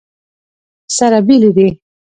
سره بېلې دي.